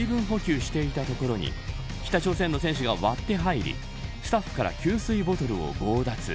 日本の選手が水分補給していたところに北朝鮮の選手が割って入りスタッフから給水ボトルを強奪。